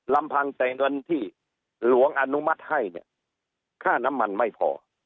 ลำพังแต่เงินที่หลวงอนุมัติให้เนี่ยค่าน้ำมันไม่พอ